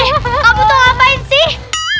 ih kamu tuh ngapain sih